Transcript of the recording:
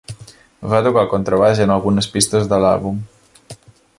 Va tocar el contrabaix en algunes pistes de l'àlbum.